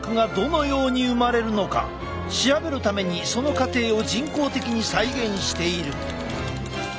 調べるためにその過程を人工的に再現している。